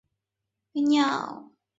维尼奥。